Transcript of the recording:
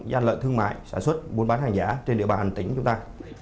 gian lợn thương mại sản xuất buôn bán hàng giả trên địa bàn tỉnh chúng ta